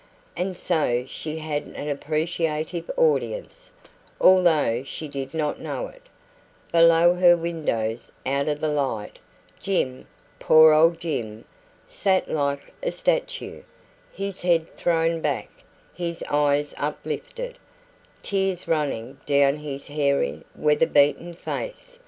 And so she had an appreciative audience, although she did not know it. Below her windows, out of the light, Jim poor old Jim! sat like a statue, his head thrown back, his eyes uplifted, tears running down his hairy, weather beaten face.